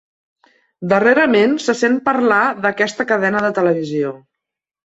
Darrerament se sent parlar d'aquesta cadena de televisió.